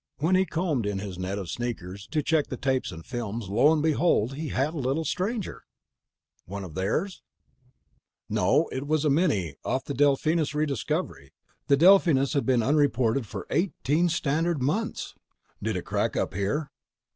When he combed in his net of sneakers to check the tapes and films, lo and behold, he had a little stranger." "One of theirs?" "No. It was a mini off the Delphinus Rediscovery. The Delphinus has been unreported for eighteen standard months!" "Did it crack up here?"